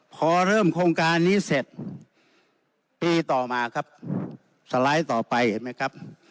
พอเริ่มโครงการนี้เสร็จปีต่อมาครับสไลด์ต่อไปเห็นไหมครับ